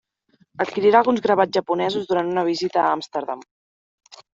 Adquirirà alguns gravats japonesos durant una visita a Amsterdam.